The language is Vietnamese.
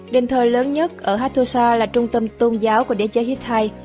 đền thơ lớn nhất ở hattusa là trung tâm tôn giáo của đế chế hittai